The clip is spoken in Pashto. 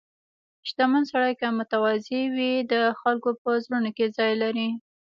• شتمن سړی که متواضع وي، د خلکو په زړونو کې ځای لري.